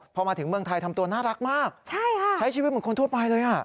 พอมาถึงเมืองไทยทำตัวน่ารักมากใช้ชีวิตเหมือนคนทั่วไปเลย